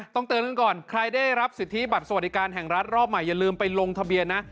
เตือนกันก่อนใครได้รับสิทธิบัตรสวัสดิการแห่งรัฐรอบใหม่อย่าลืมไปลงทะเบียนนะ